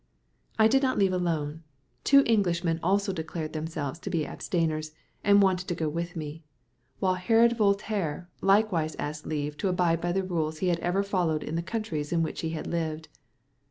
I did not leave alone. Two young Englishmen also declared themselves to be abstainers, and wanted to go with me, while Herod Voltaire likewise asked leave to abide by the rules he had ever followed in the countries in which he had lived.